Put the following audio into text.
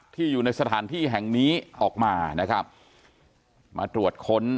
อยู่ในสถานที่แห่งนี้ออกมานะครับมาตรวจค้น